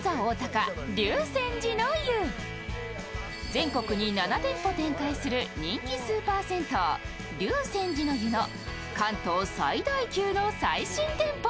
全国に７店舗展開する人気スーパー銭湯、竜泉寺の湯の関東最大級の最新店舗。